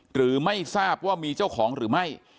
หรือไม่ทราบว่ามีเจ้าของหรือไม่